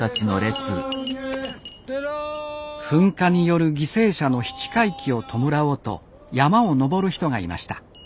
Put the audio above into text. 噴火による犠牲者の七回忌を弔おうと山を登る人がいました。